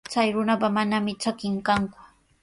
Chay runapa manami trakin kanku.